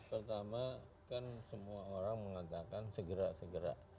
pertama kan semua orang mengatakan segera segera